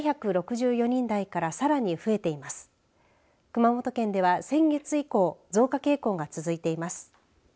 熊本県では先月以降増加傾向が続いています。